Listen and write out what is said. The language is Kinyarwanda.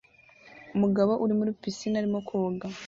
Umugabo uri muri pisine arimo koga